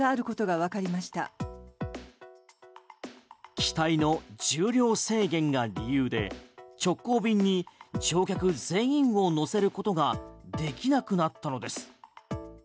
機体の重量制限が理由で直行便に乗客全員を乗せることができなくなったのです。